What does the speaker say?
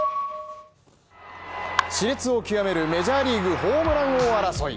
し烈を極めるメジャーリーグホームラン王争い。